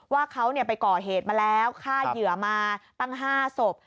ว่าเขาไปก่อเหตุมาแล้วฆ่าเหยื่อมาตั้ง๕ศพ